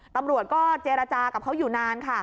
ตำรวจก็เจรจากับเขาอยู่นานค่ะ